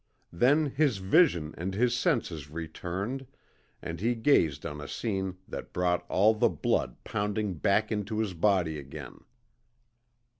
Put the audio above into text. Then his vision and his senses returned and he gazed on a scene that brought all the blood pounding back into his body again.